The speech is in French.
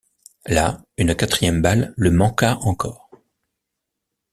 Là une quatrième balle le manqua encore.